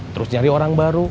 terus nyari orang baru